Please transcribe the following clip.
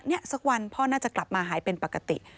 นี่สักวันพ่อน่าจะกลับมาหายเป็นปกติ